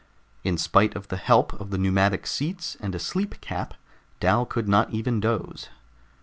In spite of the help of the pneumatic seats and a sleep cap, Dal could not even doze.